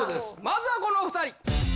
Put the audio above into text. まずはこのお２人。